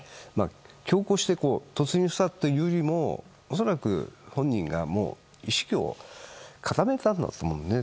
強行して突入したというよりも恐らく本人がもう意思を固めたんだと思うんですね。